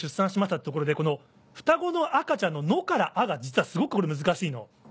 ってところでこの「双子の赤ちゃん」の「の」から「あ」が実はすごくこれ難しいの。